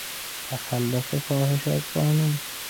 تخلف فاحش از قانون